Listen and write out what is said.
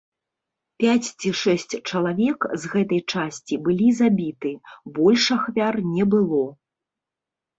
Пяць ці шэсць чалавек з гэтай часці былі забіты, больш ахвяр не было.